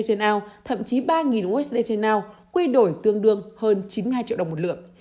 trên ao thậm chí ba usd trên nao quy đổi tương đương hơn chín mươi hai triệu đồng một lượng